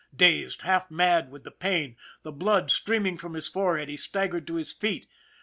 Dazed, half mad with the pain, the blood streaming from his forehead, he staggered to his feet.